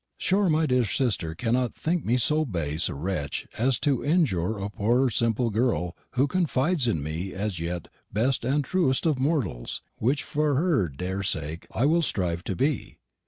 Sure, my dear sister cannot think me so baise a retch as to injoore a pore simpel girl hoo confides in me as ye best and trooest of mortals, wich for her dere saik I will strive to be.